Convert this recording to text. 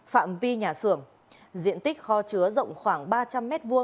phạm vi nhà xưởng diện tích kho chứa rộng khoảng ba trăm linh m hai